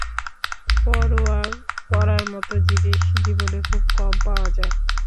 পরোয়া করার মতো জিনিস জীবনে খুব কম পাওয়া যায়।